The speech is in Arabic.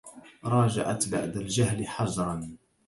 راجعت بعد الجهل حجرا